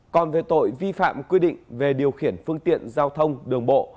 còn về tội vi phạm quy định về điều khiển phương tiện giao thông đường bộ